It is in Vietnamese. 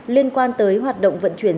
liên quan tới hoạt động vận chuyển